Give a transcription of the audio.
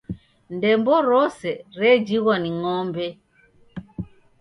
Ndembo rose rejhighwa ni ng'ombe.